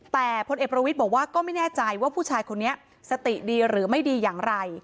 แต่พลเอกประวิทย์บอกว่าก็ไม่แน่ใจว่าผู้ชายคนนี้สติดีหรือไม่ดีอย่างไร